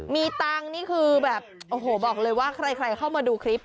มีตังค์นี่คือแบบโอ้โหบอกเลยว่าใครเข้ามาดูคลิป